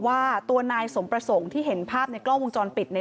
ว่าตัวนายสมประสงค์ที่เห็นภาพในกล้องวงจรปิดใน